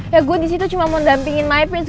ya gue disitu cuma mau dampingin my prince